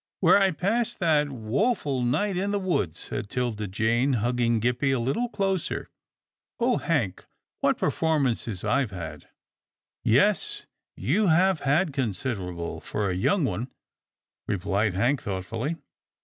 " Where I passed that woful night in the woods," said 'Tilda Jane, hugging Gippie a little closer. " Oh, Hank ! what performances I've had." " Yes, you have had considerable for a young one," replied Hank thoughtfully.